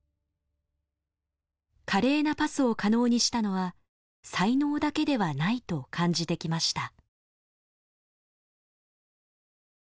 華麗なパスを可能にしたのは才能だけではないと感じてきました。